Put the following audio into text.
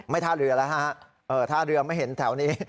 ท่าเรือแล้วฮะท่าเรือไม่เห็นแถวนี้